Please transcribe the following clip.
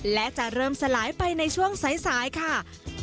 และจะเริ่มสลายไปในช่วงสายค่ะ